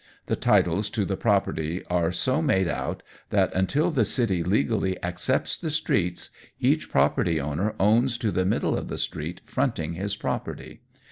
The titles to the property are so made out that until the city legally accepts the streets, each property owner owns to the middle of the street fronting his property.